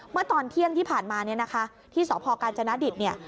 เมื่อตอนเที่ยงที่ผ่านมาเนี่ยนะคะที่สพกาญจนดิตเนี่ย